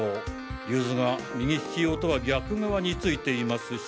竜頭が右利き用とは逆側についていますし。